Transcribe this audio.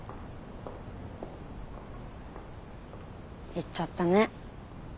行っちゃったね。